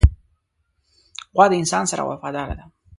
غوا د انسان سره وفاداره ده.